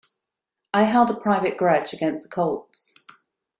I held a private grudge against the Colts.